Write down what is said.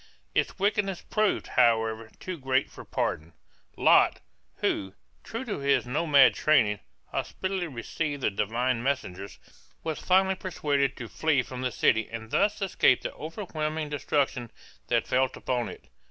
Its wickedness proved, however, too great for pardon. Lot, who, true to his nomad training, hospitably received the divine messengers, was finally persuaded to flee from the city and thus escaped the overwhelming destruction that felt upon it.